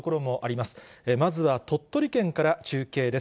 まずは鳥取県から中継です。